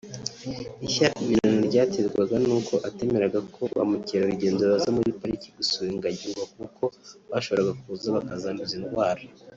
Ishyamirana ryaterwaga nuko atemeraga ko ba mkerarugendo baza muri pariki gusura ingagi ngo kuko bashoboraga kuza bakazanduza indwara